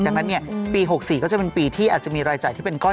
ดังนั้นปี๖๔ก็จะเป็นปีที่อาจจะมีรายจ่ายที่เป็นก้อน